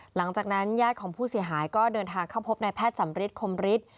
หลังจากนั้นญาติของผู้เสียหายก็เดินทางเข้าพบนายแพทย์สำริทคมฤทธิ์